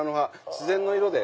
自然の色で。